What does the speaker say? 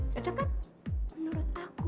cocok kan menurut aku